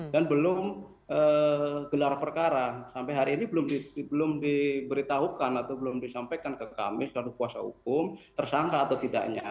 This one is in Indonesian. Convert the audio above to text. dan belum gelar perkara sampai hari ini belum diberitahukan atau belum disampaikan ke kami selalu kuasa hukum tersangka atau tidaknya